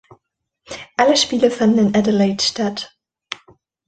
Alle Spiele fanden in Adelaide statt.